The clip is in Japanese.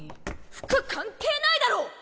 服関係ないだろ！